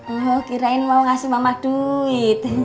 oh kirain mau ngasih mama duit